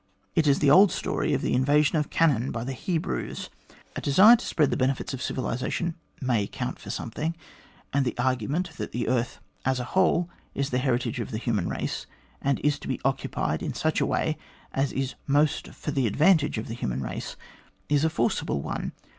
It is the old story of the invasion of Canaan by the Hebrews. A desire to spread the benefits of civilisation may count for something; and the argument that the earth, as a whole, is the heritage of the human race, and is to be occupied in such a way as is most for the advantage of the human race, is a forcible one.